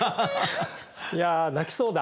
いや泣きそうだ。